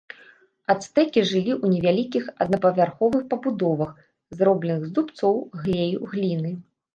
Ацтэкі жылі ў невялікіх аднапавярховых пабудовах, зробленых з дубцоў, глею, гліны.